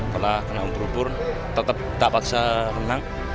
telah kena ubur ubur tetap tak paksa renang